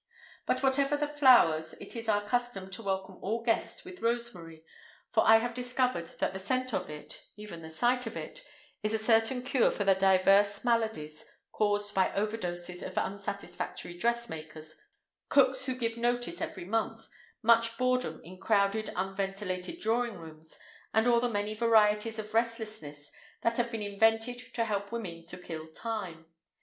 But whatever the flowers, it is our custom to welcome all guests with rosemary, for I have discovered that the scent of it (even the sight of it) is a certain cure for the divers maladies caused by overdoses of unsatisfactory dressmakers, cooks who give notice every month, much boredom in crowded unventilated drawing rooms, and all the many varieties of restlessness that have been invented to help women to kill time.